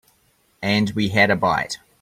And we had a bite.